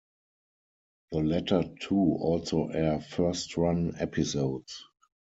The latter two also air first run episodes.